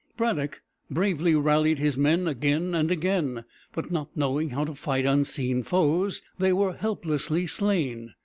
Braddock bravely rallied his men again and again; but not knowing how to fight unseen foes, they were helplessly slain.